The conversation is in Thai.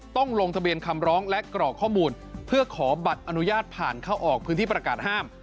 ต้องลงทะเบียนคำร้องและกรอกข้อมูลเพื่อขอบัตรอนุญาตผ่านเข้าออกพื้นที่ประกาศห้าม